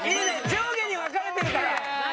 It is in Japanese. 上下に分かれてるから。